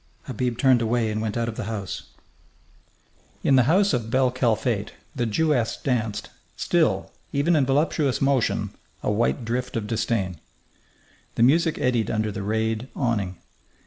Habib turned away and went out of the house. In the house of bel Kalfate the Jewess danced, still, even in voluptuous motion, a white drift of disdain. The music eddied under the rayed awning.